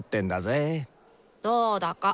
どうだか。